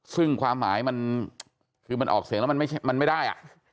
ซึ่งความหมายมันคือมันออกเสียงแล้วมันไม่ได้อ่ะ